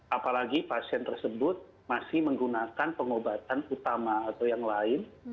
apalagi pasien tersebut masih menggunakan pengobatan utama atau yang lain